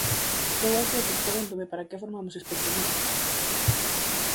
Eu ás veces pregúntome para que formamos especialistas.